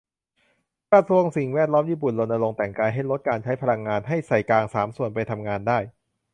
กระทรวงสิ่งแวดล้อมญี่ปุ่น รณรงค์แต่งกายให้ลดการใช้พลังงาน ให้ใส่กางสามส่วนไปทำงานได้